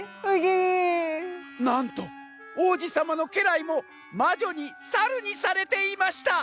「なんとおうじさまのけらいもまじょにサルにされていました」。